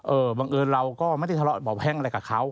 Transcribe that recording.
บังเอิญเราก็ไม่ได้ทะเลาะบ่อแห้งอะไรกับเขา